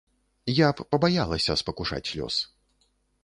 Я б пабаялася спакушаць лёс.